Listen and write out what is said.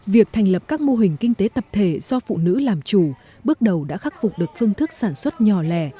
việc thành lập các mô hình kinh tế tập thể do phụ nữ làm chủ bước đầu đã khắc phục được phương thức sản xuất nhỏ lẻ